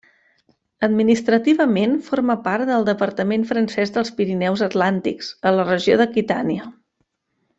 Administrativament forma part del departament francès dels Pirineus Atlàntics, a la regió d'Aquitània.